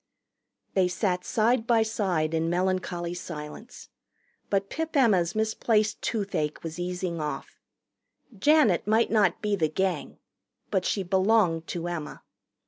They sat side by side in melancholy silence. But Pip Emma's misplaced toothache was easing off. Janet might not be the Gang. But she belonged to Emma.